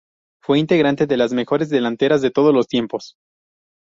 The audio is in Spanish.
Fue integrante de una de las mejores delanteras de todos los tiempos.